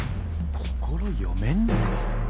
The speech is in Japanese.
心読めんのか？